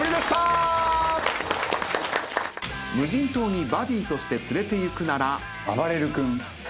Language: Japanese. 無人島にバディとして連れていくなら？